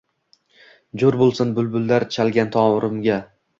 Jo’r bo’lsin bulbullar chalgan torimga